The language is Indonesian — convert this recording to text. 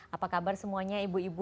apa kabar semuanya ibu ibu